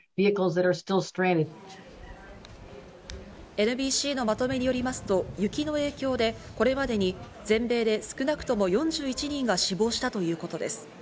ＮＢＣのまとめによりますと雪の影響でこれまでに全米で少なくとも４１人が死亡したということです。